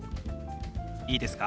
いいですか？